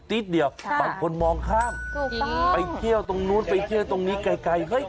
นิดเดียวบางคนมองข้ามถูกต้องไปเที่ยวตรงนู้นไปเที่ยวตรงนี้ไกลเฮ้ย